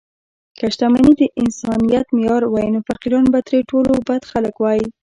که شتمني د انسانیت معیار وای، نو فقیران به تر ټولو بد خلک وای.